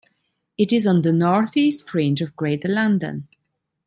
It is on the north-east fringe of Greater London.